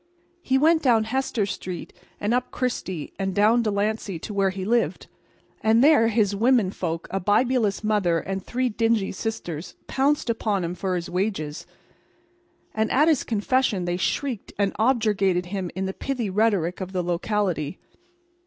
He went down Hester street and up Chrystie, and down Delancey to where he lived. And there his women folk, a bibulous mother and three dingy sisters, pounced upon him for his wages. And at his confession they shrieked and objurgated him in the pithy rhetoric of the locality.